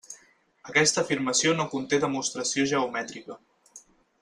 Aquesta afirmació no conté demostració geomètrica.